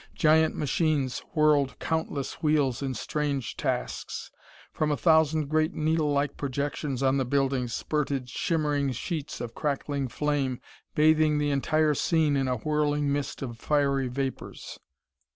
Giant machines whirled countless wheels in strange tasks. From a thousand great needle like projections on the buildings spurted shimmering sheets of crackling flame, bathing the entire scene in a whirling mist of fiery vapors.